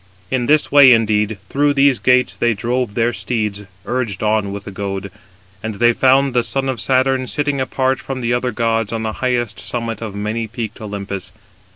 In this way, indeed, through these gates, they drove their steeds, urged on with the goad: and they found the son of Saturn sitting apart from the other gods on the highest summit of many peaked Olympus.